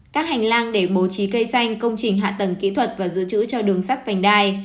các hành lang để bố trí cây xanh công trình hạ tầng kỹ thuật và dự trữ cho đường sắt vành đai